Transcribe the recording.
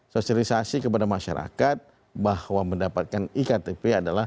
sosialisasi kepada masyarakat bahwa mendapatkan iktp adalah